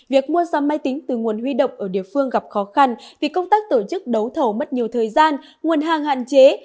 việc mua ra máy tính từ nguồn huy động ở địa phương gặp khó khăn vì công tác tổ chức đấu thầu mất nhiều thời gian nguồn hàng hạn chế